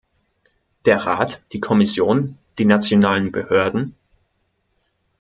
Der Rat, die Kommission, die nationalen Behörden?